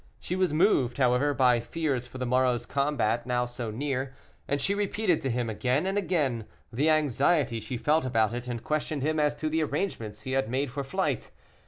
She was moved, however, by fears for the morrow's combat, now so near, and she repeated to him, again and again, the anxiety she felt about it, and questioned him as to the arrangements he had made for flight.